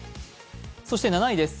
そして７位です。